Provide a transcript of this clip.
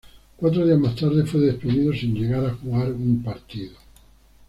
Cuatro días más tarde fue despedido sin llegar a jugar un partido.